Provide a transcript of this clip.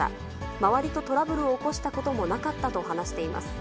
周りとトラブルを起こしたこともなかったと話しています。